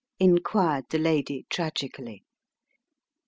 " inquired the lady tragically.